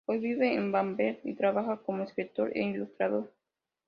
Hoy vive en Bamberg, y trabaja como escritor e ilustrador.